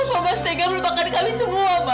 kenapa mas tega secepat itu melepaskan kami semua mas